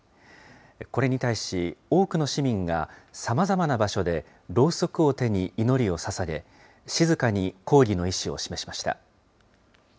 これに対し、多くの市民がさまざまな場所でろうそくを手に祈りをささげ、静かに抗議の意志を示しました。